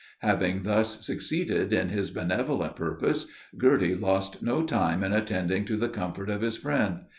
Having thus succeeded in his benevolent purpose, Girty lost no time in attending to the comfort of his friend.